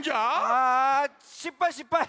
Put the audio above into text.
あしっぱいしっぱい。